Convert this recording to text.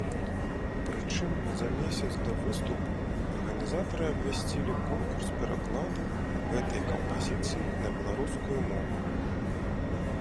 Прычым за месяц да выступу арганізатары абвясцілі конкурс перакладу гэтай кампазіцыі на беларускую мову.